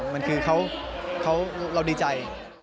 มันคือเราดีใจ